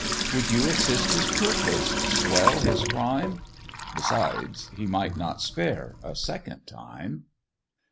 Would you assist his purpose? swell his crime? Besides, he might not spare a second time.